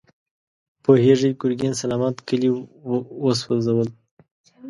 پوهېږې، ګرګين سلامت کلي وسوځول.